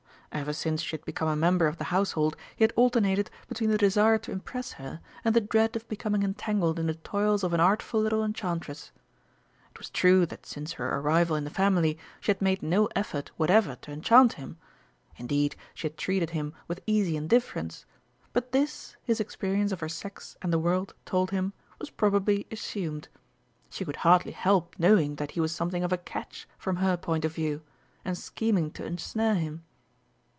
Ever since she had become a member of the household he had alternated between the desire to impress her and the dread of becoming entangled in the toils of an artful little enchantress. It was true that since her arrival in the family she had made no effort whatever to enchant him; indeed, she had treated him with easy indifference but this, his experience of her sex and the world told him, was probably assumed. She could hardly help knowing that he was something of a "catch" from her point of view, and scheming to ensnare him.